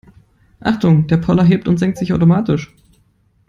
Achtung, der Poller hebt und senkt sich automatisch.